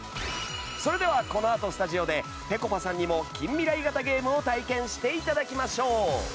それではこのあとスタジオでぺこぱさんにも近未来型ゲームを体験して頂きましょう。